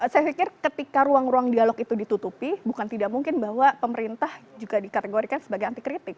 saya pikir ketika ruang ruang dialog itu ditutupi bukan tidak mungkin bahwa pemerintah juga dikategorikan sebagai anti kritik